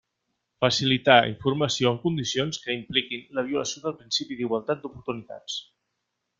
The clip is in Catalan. Facilitar informació en condicions que impliquin la violació del principi d'igualtat d'oportunitats.